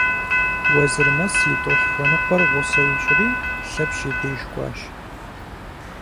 Уэзырмэс и тӏолъхуэныкъуэр гъусэ ищӏри Лъэпщ и деж кӏуащ.